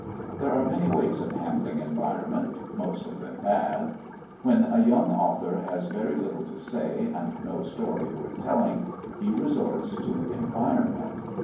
There are many ways of handling environment most of them bad. When a young author has very little to say and no story worth telling, he resorts to environment.